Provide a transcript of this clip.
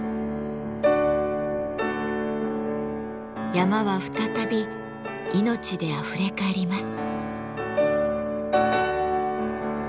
山は再び命であふれかえります。